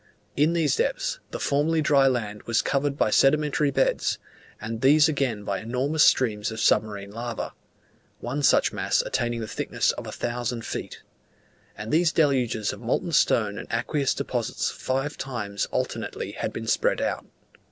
In these depths, the formerly dry land was covered by sedimentary beds, and these again by enormous streams of submarine lava one such mass attaining the thickness of a thousand feet; and these deluges of molten stone and aqueous deposits five times alternately had been spread out.